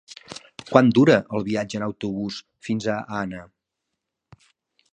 Quant dura el viatge en autobús fins a Anna?